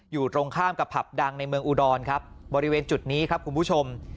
อยู่ตรงข้ามกับผับดังในเมืองอุดรครับบริเวณจุดนี้ครับคุณผู้ชม